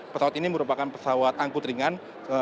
pesawat ini merupakan pesawat angkut ringan